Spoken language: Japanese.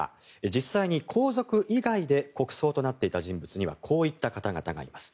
実際に皇族以外で国葬となっていた人物にはこういった方々がいます。